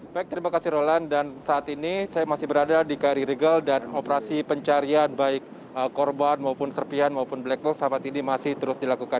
baik terima kasih roland dan saat ini saya masih berada di kri rigel dan operasi pencarian baik korban maupun serpian maupun black box saat ini masih terus dilakukan